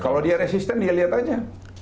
kalau dia resisten dia lihat aja